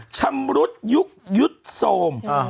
ชำรุดยุทธโสม